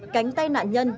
cánh tay nạn nhân